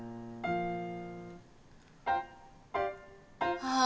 ああ